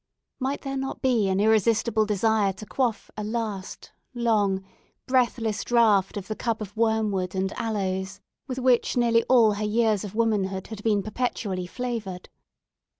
Might there not be an irresistible desire to quaff a last, long, breathless draught of the cup of wormwood and aloes, with which nearly all her years of womanhood had been perpetually flavoured.